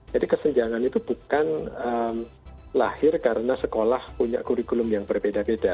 jadi kesenjangan itu bukan lahir karena sekolah punya kurikulum yang berbeda beda